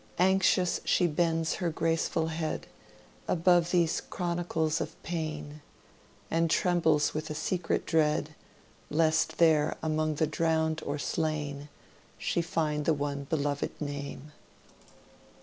Anxious she bends her graceful head Above these chronicles of pain, And trembles with a secret dread Lest there, among the drowned or slain, She find the one beloved name."